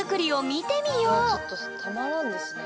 わあちょっとたまらんですね。